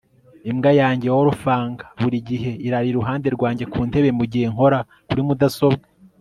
Imbwa yanjye Wolfgang burigihe irara iruhande rwanjye kuntebe mugihe nkora kuri mudasobwa